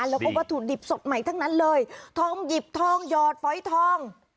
แล้วก็วัตถุดิบสดใหม่ทั้งนั้นเลยทองหยิบทองหยอดฝอยทอง